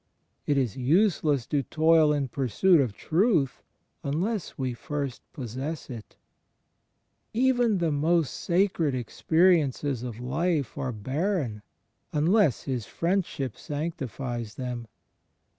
It is useless to toil in pursuit of truth, unless we first possess It. Even the most sacred experiences of life are barren > CHRIST IN THE INTERIOR SOUL I3 unless His Friendship sanctifies them.